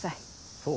そう？